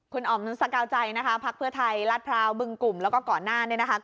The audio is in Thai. คุณอ๋อมนุษกาวใจนะคะพักเพื่อไทยลาดพร้าวบึงกลุ่มแล้วก็ก่อนหน้านี้นะคะ